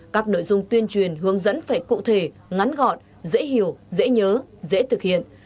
các nội dung tuyên truyền hướng dẫn phải cụ thể ngắn gọn dễ hiểu dễ nhớ dễ thực hiện